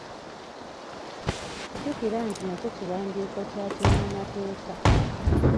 Jjukira nti nakyo kiwandiiko kya kinnamateeka.